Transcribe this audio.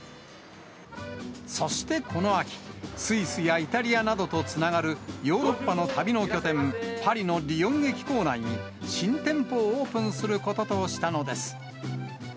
そしてこの秋、スイスやイタリアなどとつながるヨーロッパの旅の拠点、パリのリヨン駅構内に、新店舗をオープンすることとしたのです。